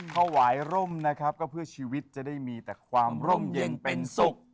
ถวายร่มนะครับก็เพื่อชีวิตจะได้มีแต่ความร่มเย็นเป็นสุข